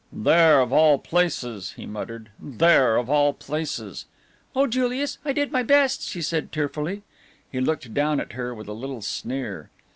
"There, of all places!" he muttered; "there, of all places!" "Oh, Julius, I did my best," she said tearfully. He looked down at her with a little sneer.